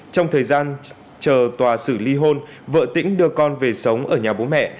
trong thời gian chờ tòa xử lý hôn vợ tĩnh đưa con về sống ở nhà bố mẹ